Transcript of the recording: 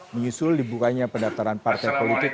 menyusul dibukanya pendaftaran partai